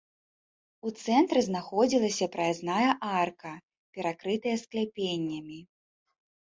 У цэнтры знаходзілася праязная арка, перакрытая скляпеннямі.